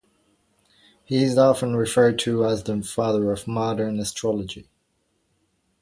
He is often referred to as "the father of modern astrology".